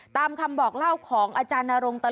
ตามคำบอกเล่าของอนารง